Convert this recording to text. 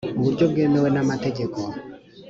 uburyo bwemewe n amategeko